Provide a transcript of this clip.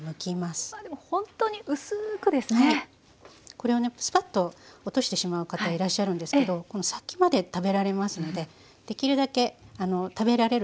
これをねスパッと落としてしまう方いらっしゃるんですけどこの先まで食べられますのでできるだけ食べられるところは残しましょう。